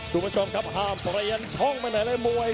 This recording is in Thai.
คุณผู้ชมครับห้ามเปลี่ยนช่องไปไหนเลยมวย